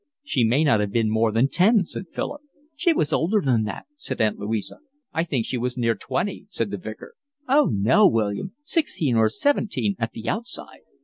"She may not have been more than ten," said Philip. "She was older than that," said Aunt Louisa. "I think she was near twenty," said the Vicar. "Oh no, William. Sixteen or seventeen at the outside."